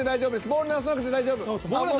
ボールは直さなくて大丈夫。